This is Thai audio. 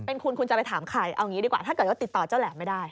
เป็นคุณคุณจะไปถามใครเอางี้ดีกว่าถ้าเกิดว่าติดต่อเจ้าแหลมไม่ได้